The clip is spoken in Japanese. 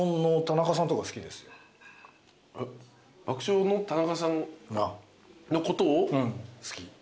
爆笑の田中さんのことを好き？